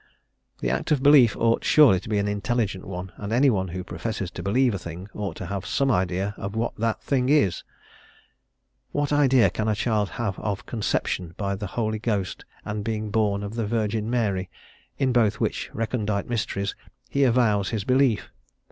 The act of belief ought surely to be an intelligent one, and anyone who professes to believe a thing ought to have some idea of what the thing is. What idea can a child have of conception by the Holy Ghost and being born of the Virgin Mary, in both which recondite mysteries he avows his belief?